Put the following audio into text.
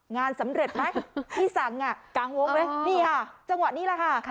งานสำเร็จไหมให้สั่งอ่ะกลางวงเลยนี่ค่ะจังหวะนี้แหละค่ะ